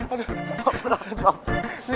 aduh bob perhatian dong